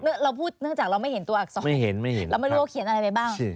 เราพูดเนื่องจากเราไม่เห็นตัวอักษรไม่เห็นไม่เห็นเราไม่รู้ว่าเขียนอะไรไปบ้าง